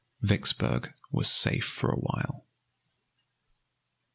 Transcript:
Vicksburg was safe for awhile.